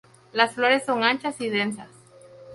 Las flores son anchas y densas.